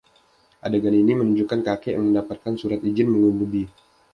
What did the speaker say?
Adegan ini menunjukkan Kakek yang mendapatkan surat ijin mengemudi.